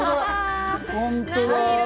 本当だ！